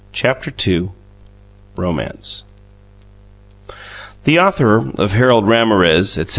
CHAPTER II ROMANCE The author of "Harold Ramorez," etc.